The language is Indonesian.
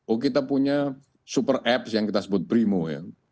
oh kita punya super apps yang kita sebut brimo ya